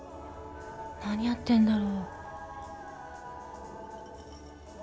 何やってんだろう？